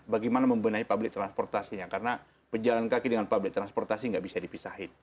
bagaimana membenahi publik transportasinya karena pejalan kaki dengan public transportasi nggak bisa dipisahin